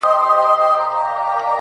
طوطي والوتی یوې او بلي خواته-